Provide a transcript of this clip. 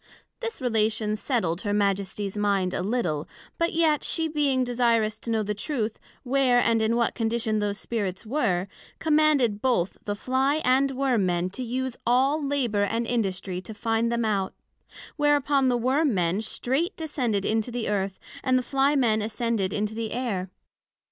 This relation setled her Majesties mind a little; but yet she being desirous to know the Truth, where, and in what condition those Spirits were, commanded both the Fly and Worm men to use all labour and industry to find them out; whereupon the Worm men straight descended into the Earth, and the Fly men ascended into the Air.